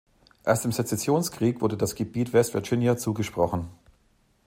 Erst im Sezessionskrieg wurde das Gebiet West Virginia zugesprochen.